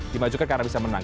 dimajukan karena bisa menang